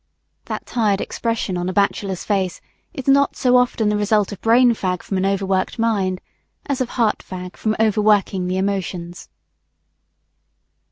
That tired expression on a bachelor's face is not so often the result of brain fag from an overworked mind as of heart fag from overworking the emotions.